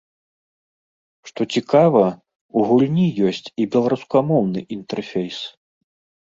Што цікава, у гульні ёсць і беларускамоўны інтэрфейс.